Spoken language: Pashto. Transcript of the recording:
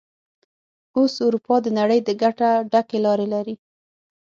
اوس اروپا د نړۍ د ګټه ډکې لارې لري.